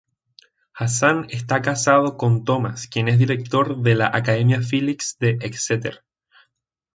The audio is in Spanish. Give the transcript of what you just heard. Hassan está casada con Thomas quien es director de la Academia Phillips de Exeter.